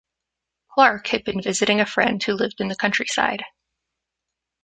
Clarke had been visiting a friend who lived in the countryside.